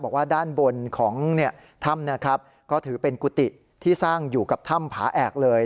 บอกว่าด้านบนของถ้ำนะครับก็ถือเป็นกุฏิที่สร้างอยู่กับถ้ำผาแอกเลย